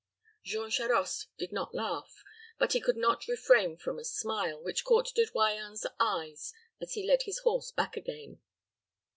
Jean Charost did not laugh; but he could not refrain from a smile, which caught De Royans's eyes as he led his horse back again.